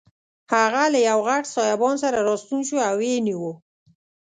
هغه له یوه غټ سایبان سره راستون شو او ویې نیو.